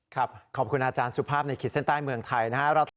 ขอบคุณอาจารย์สุภาพในขีดเส้นใต้เมืองไทยนะครับ